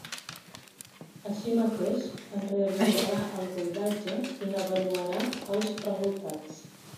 Així mateix en realitzarà el buidatge i n'avaluarà els resultats.